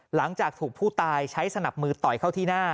หลังจากถูกผู้ตายใช้สนับมือต่อยเข้าที่หน้า